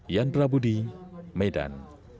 yan prabudi medan